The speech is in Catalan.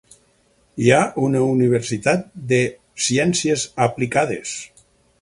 Hi ha una universitat de ciències aplicades.